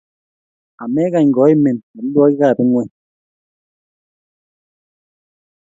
amekany koimin nyolilwokikab ingweny